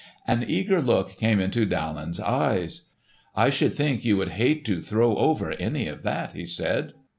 An eager look came into Daland's eyes. "I should think you would hate to throw over any of that!" he said.